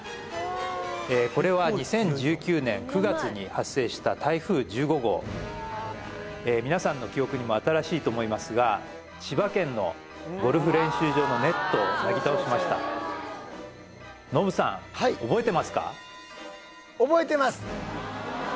これは２０１９年９月に発生した台風１５号みなさんの記憶にも新しいと思いますが千葉県のゴルフ練習場のネットをなぎ倒しましたノブさん覚えてますか？